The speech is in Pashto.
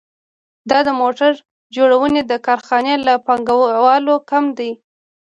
دا د موټر جوړونې د کارخانې له پانګوال کم دی